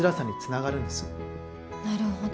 なるほど。